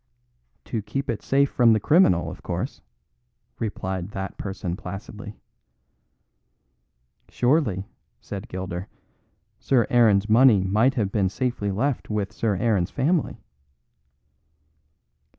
"To keep it safe from the criminal, of course," replied that person placidly. "Surely," said Gilder, "Sir Aaron's money might have been safely left with Sir Aaron's family."